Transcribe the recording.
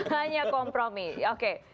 hanya kompromi oke